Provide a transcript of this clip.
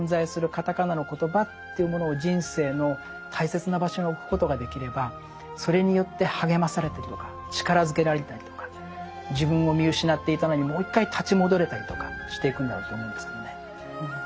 カタカナのコトバというものを人生の大切な場所に置くことができればそれによって励まされたりとか力づけられたりとか自分を見失っていたのにもう一回立ち戻れたりとかしていくんだろうと思うんですけどね。